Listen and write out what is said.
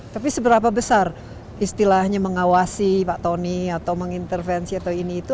tapi seberapa besar istilahnya mengawasi pak tony atau mengintervensi atau ini itu